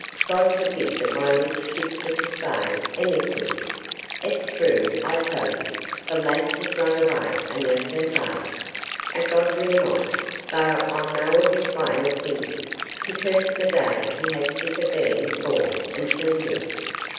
'God forbid that my lips should fa' tae sic iniquity. It's true, I tell ye; the lass has rin awa' an' left her faither a godly mon, tho' I'm no of his way of thinkin to curse the day he had sic a bairn born until him.